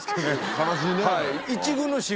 悲しいね。